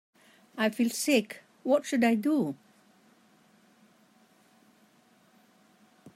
I feel sick, what should I do?